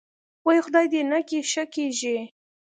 وۍ خدای دې نکي ښه کېږې.